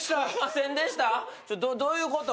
どういうこと？